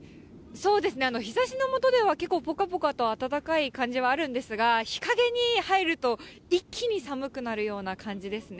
そうですね、日ざしの下では結構、ぽかぽかと暖かい感じはあるんですが、日陰に入ると、一気に寒くなるような感じですね。